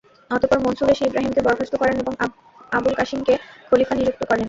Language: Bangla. অতঃপর মনসূর এসে ইবরাহীমকে বরখাস্ত করেন এবং আবুল কাসিমকে খলীফা নিযুক্ত করেন।